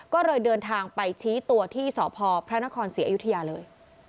ก็เลยเดินทางไปชี้ตัวที่สพพระนครศรีอยุธยาเลย